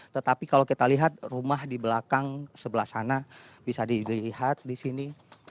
tetapi kalau kita lihat rumah di belakang sebelah sana bisa dilihat di sini